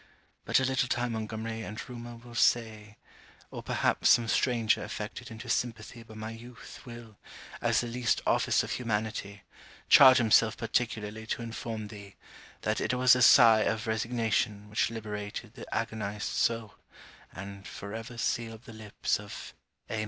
But a little time Montgomery and rumour will say, or perhaps some stranger affected into sympathy by my youth, will, as the least office of humanity, charge himself particularly to inform thee, that it was a sigh of resignation which liberated the agonized soul and, forever sealed the lips of A.